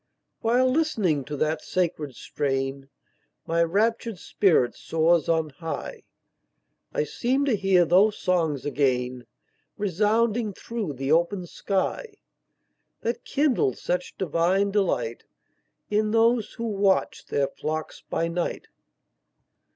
While listening to that sacred strain, My raptured spirit soars on high; I seem to hear those songs again Resounding through the open sky, That kindled such divine delight, In those who watched their flocks by night.